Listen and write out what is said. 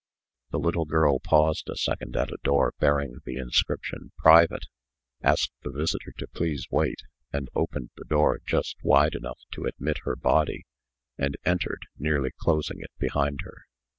The little girl paused a second at a door bearing the inscription, "Private," asked the visitor to please wait, and opened the door just wide enough to admit her body, and entered, nearly closing it behind her.